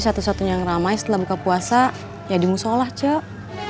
sesuatu yang ramai setelah buka puasa ya di musolah cok